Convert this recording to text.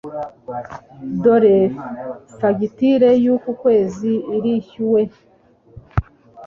Dore fagitire yuku kwezi irishyuwe